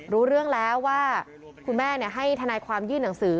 รู้เรื่องแล้วว่าคุณแม่ให้ทนายความยื่นหนังสือ